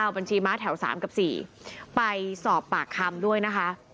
บัญชีม้าแถว๓กับ๔ไปสอบปากคำด้วยนะคะ